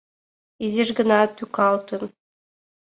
Изиш гына тӱкалтын.